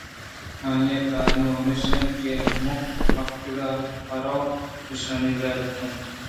آئی ءِ کار نوں ہمیش اِنت کہ ہمک ہفتگ بُہ روءُ ایشاناں زیارت کن